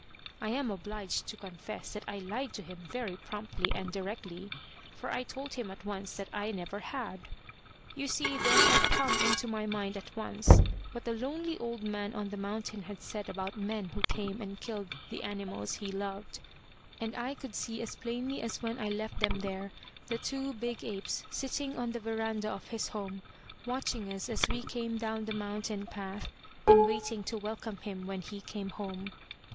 I am obliged to confess that I lied to him very promptly and directly, for I told him at once that I never had. You see there had come into my mind at once what the lonely old man on the mountain had said about men who came and killed the animals he loved, and I could see as plainly as when I left them there, the two big apes sitting on the verandah of his home, watching us as we came down the mountain path, and waiting to welcome him when he came home.